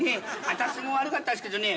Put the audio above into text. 私も悪かったですけどね